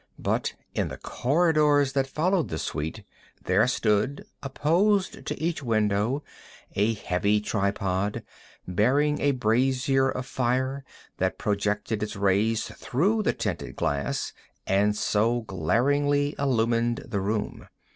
But in the corridors that followed the suite, there stood, opposite to each window, a heavy tripod, bearing a brazier of fire that projected its rays through the tinted glass and so glaringly illumined the room.